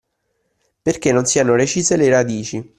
Perché non siano recise le radici